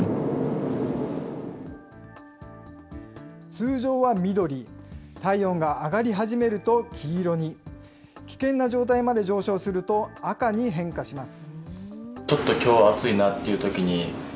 通常は緑、体温が上がり始めると黄色に、危険な状態まで上昇すると赤に変化します。